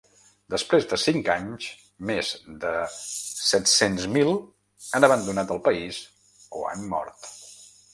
Després de cinc anys, més de set-cents mil han abandonat el país o han mort.